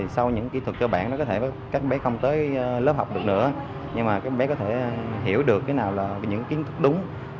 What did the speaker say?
sau những kỹ thuật cơ bản đó có thể các bé không tới lớp học được nữa nhưng mà các bé có thể hiểu được những kiến thức đúng